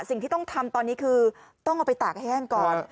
สิ่งที่ต้องทำตอนนี้คือต้องเอาไปตากแห้งก่อน